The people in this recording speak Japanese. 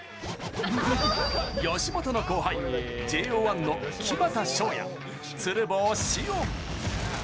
吉本の後輩、ＪＯ１の木全翔也、鶴房汐恩。